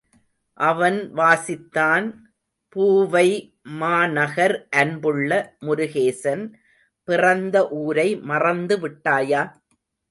அவன் வாசித்தான் பூவைமாநகர் அன்புள்ள முருகேசன், பிறந்த ஊரை மறந்து விட்டாயா?